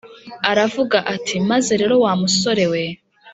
aravuga ati: maze rero wamusore we,